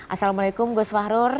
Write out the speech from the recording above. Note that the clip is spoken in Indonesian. assalamualaikum gus fahrur